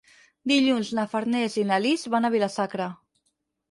Dilluns na Farners i na Lis van a Vila-sacra.